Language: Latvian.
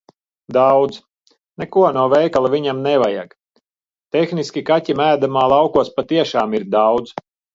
Daudz. Neko no veikala viņam nevajag. Tehniski kaķim ēdamā laukos patiešām ir daudz.